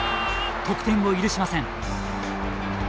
得点を許しません。